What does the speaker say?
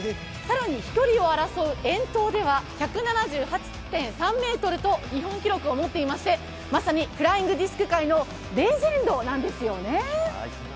更に距離を争う遠投では１７８．３ｍと日本記録を持っていまして、まさにフライングディスク界のレジェンドなんですよね。